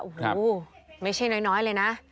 อู๋ไม่ใช่น้อยเลยนะ